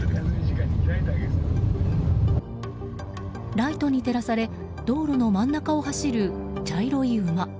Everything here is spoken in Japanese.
ライトに照らされ道路の真ん中を走る茶色い馬。